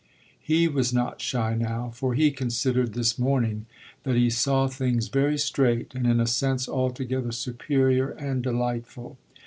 He was not shy now, for he considered this morning that he saw things very straight and in a sense altogether superior and delightful.